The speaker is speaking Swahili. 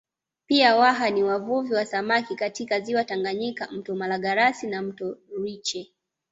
Pia Waha ni wavuvi wa samaki katika ziwa Tanganyika mto Malagarasi na Mto Rwiche